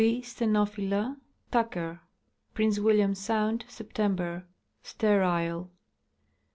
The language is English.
b stenophylla, Tuck. Prince William sound, Sep tember. Sterile.